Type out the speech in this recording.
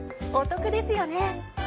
お得ですよね。